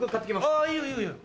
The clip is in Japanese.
あぁいいよいいよ。